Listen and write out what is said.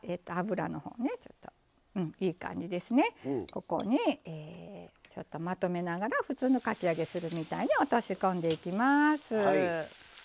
ここにちょっとまとめながら普通のかき揚げするみたいに落とし込んでいきます。